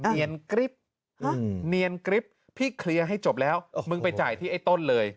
เนียนกริ๊บเนียนกริ๊บพี่เคลียร์ให้จบแล้วมึงไปจ่ายที่ไอ้ต้นเลย